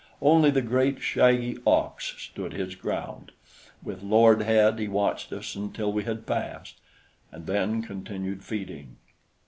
Only the great, shaggy ox stood his ground. With lowered head he watched us until we had passed, and then continued feeding.